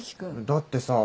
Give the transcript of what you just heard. だってさ